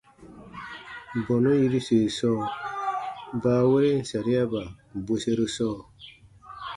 Bɔnu yiruse sɔɔ baaweren sariaba bweseru sɔɔ.